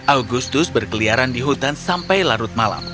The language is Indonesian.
agustus berkeliaran di hutan sampai larut malam